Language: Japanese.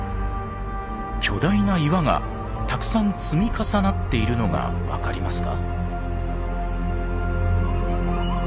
巨大な岩がたくさん積み重なっているのが分かりますか？